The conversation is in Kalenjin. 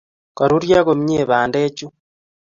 Koruryo komie bandechuu